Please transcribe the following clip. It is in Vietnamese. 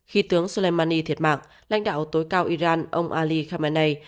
khi tướng soleimani thiệt mạng lãnh đạo tối cao iran ông ali khamenei